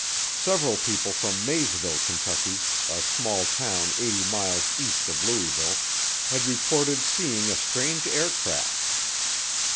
Several people from Maysville, Kentucky, a small town 80 miles east of Louisville, had reported seeing a strange aircraft.